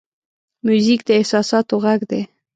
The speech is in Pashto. موزیک د احساساتو غږ دی.